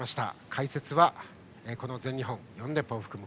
解説は、この全日本４連覇を含む